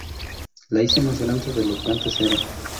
La hice más grande de lo que antes era.